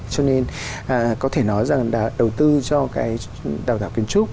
cho nên có thể nói rằng là đầu tư cho cái đào tạo kiến trúc